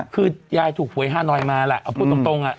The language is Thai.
คือยายถูกหวยฮานอยมาแหละเอาพูดตรง